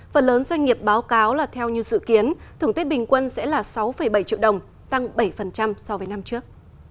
phần lớn doanh nghiệp báo cáo là theo như dự kiến thưởng tết bình quân sẽ là sáu bảy triệu đồng tăng bảy so với năm trước